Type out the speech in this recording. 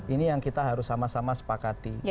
ini yang kita harus sama sama sepakati